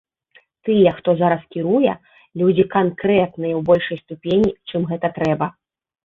Тыя, хто зараз кіруе, людзі канкрэтныя ў большай ступені, чым гэта трэба.